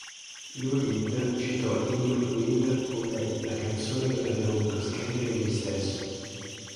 Lou Reed citò "Idiot Wind" come la "canzone che avrebbe voluto scrivere lui stesso".